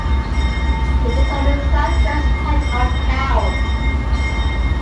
It is on the southwest edge of town.